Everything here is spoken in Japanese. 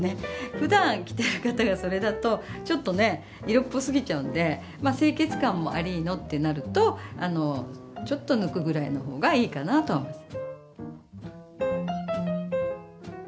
ふだん着てる方がそれだとちょっとね色っぽすぎちゃうんでまあ清潔感もありのってなるとちょっと抜くぐらいのほうがいいかなとは思います。